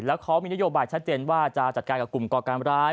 แล้วเขามีนโยบายชัดเจนว่าจะจัดการกับกลุ่มก่อการร้าย